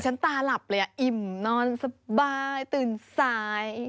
ตาหลับเลยอ่ะอิ่มนอนสบายตื่นสาย